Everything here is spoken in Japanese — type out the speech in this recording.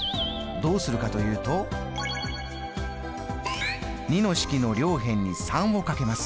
どうするかというと２の式の両辺に３をかけます。